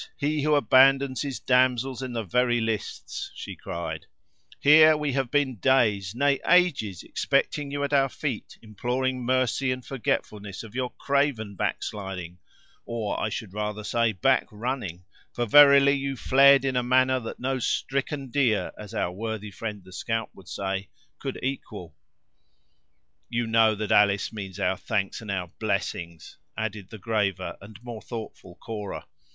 he who abandons his damsels in the very lists," she cried; "here have we been days, nay, ages, expecting you at our feet, imploring mercy and forgetfulness of your craven backsliding, or I should rather say, backrunning—for verily you fled in the manner that no stricken deer, as our worthy friend the scout would say, could equal!" "You know that Alice means our thanks and our blessings," added the graver and more thoughtful Cora.